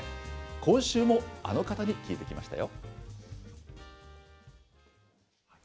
今週もあの方に聞いてきましたよ。